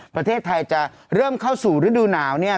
ประเทศไทยจะเริ่มเข้าสู่ฤดูหนาวเนี่ย